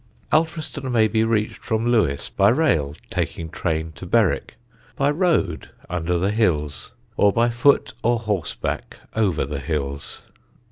Alfriston may be reached from Lewes by rail, taking train to Berwick; by road, under the hills; or on foot or horse back, over the hills.